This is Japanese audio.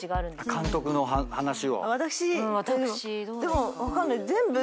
でも分かんない。